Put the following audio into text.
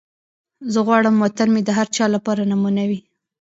زه غواړم وطن مې د هر چا لپاره نمونه وي.